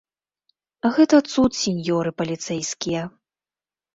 Гэта цуд, сіньёры паліцэйскія!